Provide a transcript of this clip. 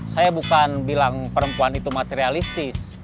saya bukan bilang perempuan itu materialistis